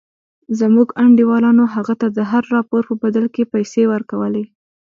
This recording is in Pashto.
زموږ انډيوالانو هغه ته د هر راپور په بدل کښې پيسې ورکولې.